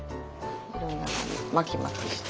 いろんなのに巻きまきして。